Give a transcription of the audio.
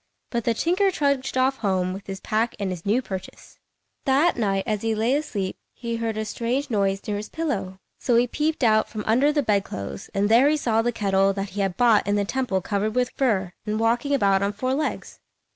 But the tinker trudged off home with his pack and his new purchase. That night, as he lay asleep, he heard a strange noise near his pillow; so he peeped out from under the bedclothes, and there he saw the kettle that he had bought in the temple covered with fur, and walking about on four legs.